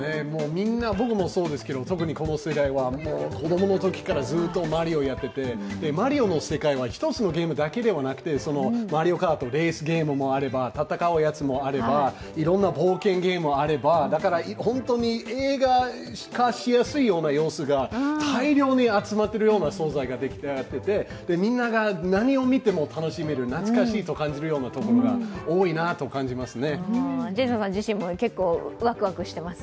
みんな、僕もそうですけど特にこの世代は子供のときからずっとマリオやっていて、マリオの世界は一つのゲームだけではなくて「マリオカート」、レースゲームもあれば戦うゲーム、冒険ゲームもあればだから本当に映画化しやすいような様子が大量に集まっているような素材が出来上がっていて、みんなが何を見ても楽しめる、懐かしいと感じるところがジェイソンさん自身もワクワクしています？